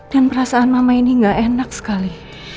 dan perasaan mama ini nggak enak sekali